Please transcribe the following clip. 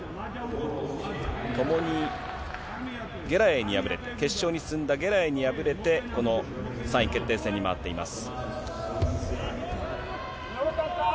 ともにゲラエイに破れて、決勝に進んだゲラエイに敗れて、この３位決定戦に回っています。